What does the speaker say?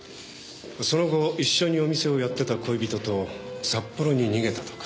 その後一緒にお店をやってた恋人と札幌に逃げたとか。